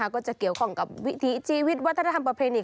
ก็จะเกี่ยวข้องกับวิถีชีวิตวัฒนธรรมประเพณี